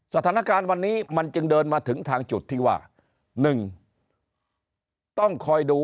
สถานการณ์วันนี้มันจึงเดินมาถึงทางจุดที่ว่า๑ต้องคอยดู